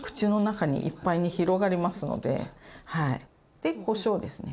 でこしょうですね。